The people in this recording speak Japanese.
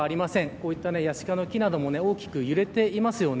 こういった木なども大きく揺れていますよね。